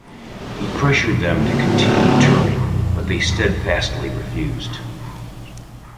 He pressured them to continue touring, but they steadfastly refused.